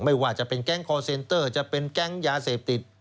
ไม่ว่าจะเป็นแก๊งคอร์เซนเตอร์จะเป็นแก๊งยาเสพติด